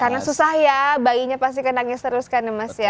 karena susah ya bayinya pasti kena nangis terus kan emas ya